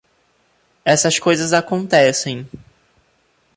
Essas coisas acontecem.